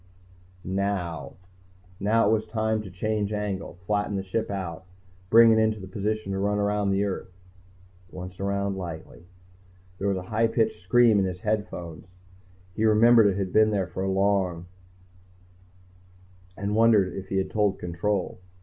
Now it was time to change angle, flatten the ship out, bring it into position to run around the earth. Once around lightly. There was a high pitched scream in his earphones. He remembered it had been there for long, and wondered if he had told Control.